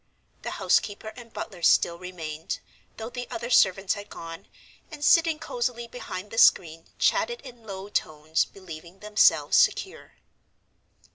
The housekeeper and butler still remained, though the other servants had gone, and sitting cosily behind the screen chatted in low tones believing themselves secure.